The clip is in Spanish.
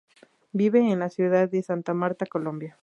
Vive en la Ciudad de Santa Marta, Colombia.